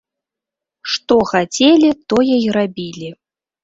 Што хацелі, тое і рабілі.